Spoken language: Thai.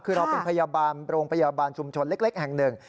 คือเราเป็นพยาบาลโรงพยาบาลชุมชนเล็กแห่งหนึ่ง